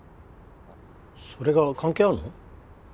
それが関係あるの？